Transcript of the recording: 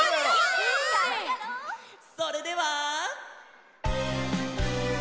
それでは！